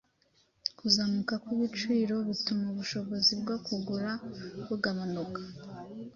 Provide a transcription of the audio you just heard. kuzamuka kw’ibiciro bituma ubushobozi bwo kugura bugabanuka